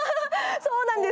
そうなんです。